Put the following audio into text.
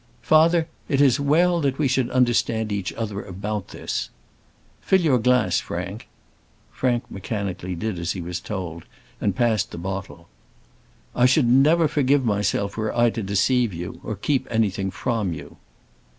"Father, it is well that we should understand each other about this " "Fill your glass, Frank;" Frank mechanically did as he was told, and passed the bottle. "I should never forgive myself were I to deceive you, or keep anything from you."